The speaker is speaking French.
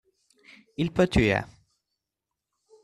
Il peut tuer.